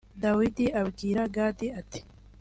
Dawidi abwira Gadi ati